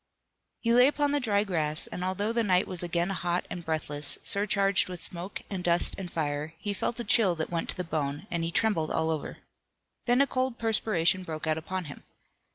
He lay upon the dry grass, and although the night was again hot and breathless, surcharged with smoke and dust and fire, he felt a chill that went to the bone, and he trembled all over. Then a cold perspiration broke out upon him.